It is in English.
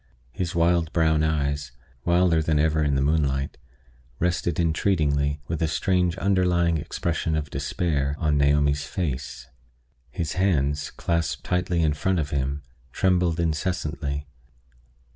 His wild brown eyes wilder than ever in the moonlight rested entreatingly, with a strange underlying expression of despair, on Naomi's face. His hands, clasped lightly in front of him, trembled incessantly.